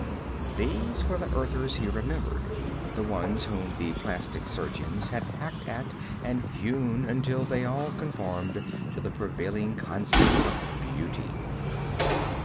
These were the Earthers he remembered, the ones whom the plastic surgeons had hacked at and hewn until they all conformed to the prevailing concept of beauty.